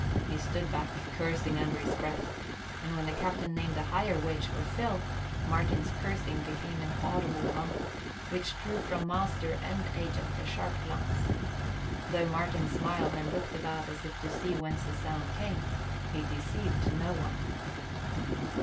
He stood back, cursing under his breath, and when the captain named a higher wage for Phil, Martin's cursing became an audible mumble, which drew from master and agent a sharp glance. Though Martin smiled and looked about as if to see whence the sound came, he deceived no one.